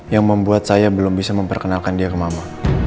yang membuat saya belum bisa memperkenalkan dia ke mama